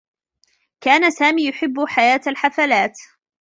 كان سامي يحبّ حياة الحفلات.